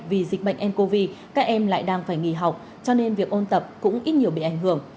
vì dịch bệnh ncov các em lại đang phải nghỉ học cho nên việc ôn tập cũng ít nhiều bị ảnh hưởng